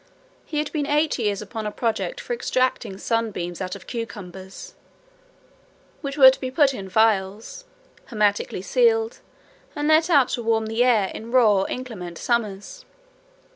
He had been eight years upon a project for extracting sunbeams out of cucumbers, which were to be put in phials hermetically sealed, and let out to warm the air in raw inclement summers.